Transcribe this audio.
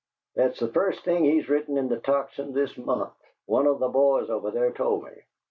That's the first thing he's written in the Tocsin this month one of the boys over there told me.